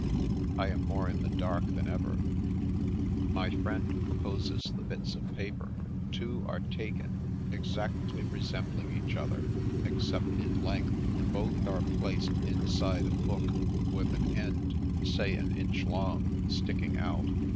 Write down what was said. " I am more in the dark than ever." " My friend proposes the bits of paper. Two are taken, exactly resembling each other, except in length. Both are placed inside a book, with an end, say an inch long, sticking out.